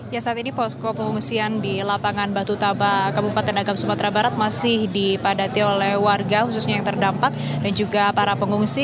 ya saat ini posko pengungsian di lapangan batu taba kabupaten agam sumatera barat masih dipadati oleh warga khususnya yang terdampak dan juga para pengungsi